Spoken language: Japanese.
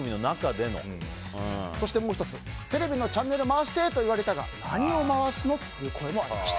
そしてもう１つテレビのチャンネルを回してと言われたが、何を回すの？という声もありました。